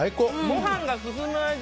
ご飯が進む味！